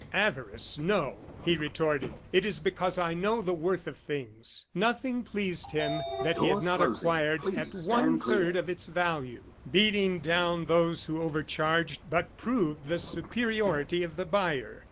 "Avarice, no!" he retorted, "it is because I know the worth of things." Nothing pleased him that he had not acquired at one third of its value. Beating down those who overcharged but proved the superiority of the buyer.